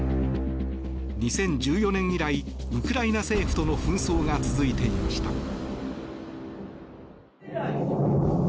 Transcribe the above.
２０１４年以来ウクライナ政府との紛争が続いていました。